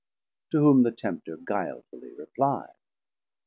To whom the Tempter guilefully repli'd.